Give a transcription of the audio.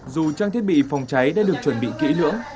dù trang thiết bị phòng cháy đã được chuẩn bị kỹ lưỡng